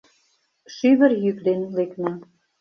Шӱвыр йӱк ден лекна